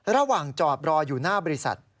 ระหว่างจอดรออยู่หน้าบริษัท